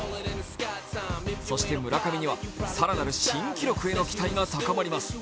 そして村上には更なる新記録への期待が高まります。